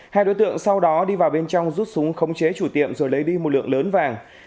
hai đối tượng sau đó đi vào bên trong rút súng khống chế chủ tiệm rồi lấy đi một lượng lớn vàng